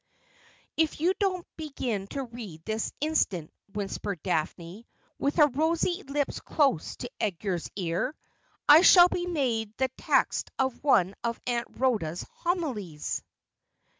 ' If you don't begin to read this instant,' whispered Daphne, with her rosy lips close to Edgar's ear, ' I shall be made the text of one of Aunt Rhoda's homilies.'